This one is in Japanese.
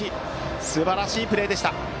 すばらしいプレーでした！